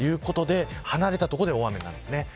離れた所で大雨になります。